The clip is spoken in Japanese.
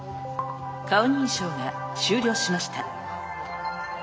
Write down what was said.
顔認証が終了しました。